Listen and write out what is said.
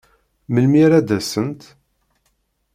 Melmi ara d-asent?